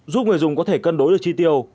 giúp người dùng có thể cân đối được chi tiêu